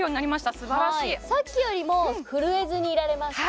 すばらしいさっきよりも震えずにいられます